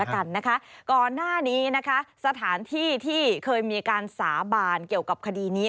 กันนะคะก่อนหน้านี้นะคะสถานที่ที่เคยมีการสาบานเกี่ยวกับคดีนี้